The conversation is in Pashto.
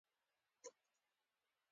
د جهاد په باب يې څو ايتونه تلاوت کړل.